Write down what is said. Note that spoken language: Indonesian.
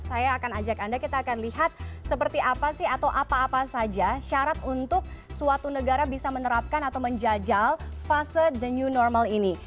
saya akan ajak anda kita akan lihat seperti apa sih atau apa apa saja syarat untuk suatu negara bisa menerapkan atau menjajal fase the new normal ini